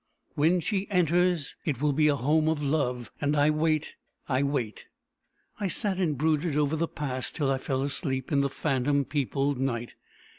When she enters, it will be a home of love. And I wait I wait." I sat and brooded over the Past, till I fell asleep in the phantom peopled night.